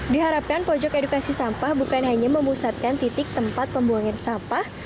diharapkan pojok edukasi sampah bukan hanya memusatkan titik tempat pembuangan sampah